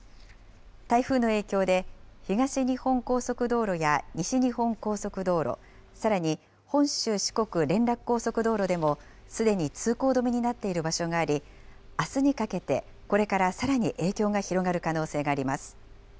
台風の影響で東日本高速道路や西日本高速道路、さらに本州四国連絡高速道路でもすでに通行止めになっている場所があり、あすにかけてこれからさらに影響が広がる可能性があります。